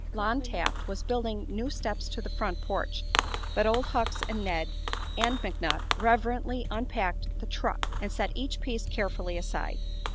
Lon Taft was building new steps to the front porch, but Old Hucks and Ned and McNutt reverently unpacked the "truck" and set each piece carefully aside.